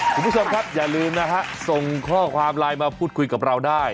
คุณผู้ชมครับอย่าลืมนะฮะส่งข้อความไลน์มาพูดคุยกับเราได้